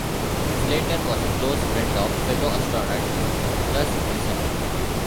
Slayton was a close friend of fellow astronaut Gus Grissom.